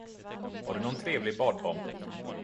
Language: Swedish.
Har du någon trevlig badbomb?